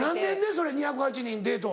それ２０８人デート。